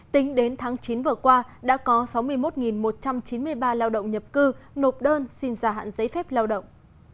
tính đến tháng chín vừa qua đã có sáu mươi một một trăm chín mươi ba lao động nhập cư nộp đơn xin gia hạn giấy phép lao động